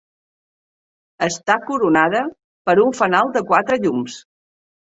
Està coronada per un fanal de quatre llums.